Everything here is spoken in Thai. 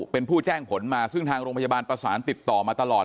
เป็นผู้แจ้งผลมาซึ่งทางโรงพยาบาลประสานติดต่อมาตลอด